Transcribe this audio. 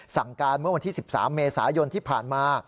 สั่งการเมื่อวันที่๑๓เมษายนที่ผ่านมา